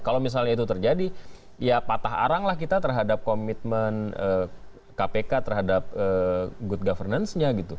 kalau misalnya itu terjadi ya patah aranglah kita terhadap komitmen kpk terhadap good governance nya gitu